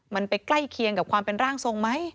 มันไปใกล้เคียงกับความเป็นร่างทรงไหม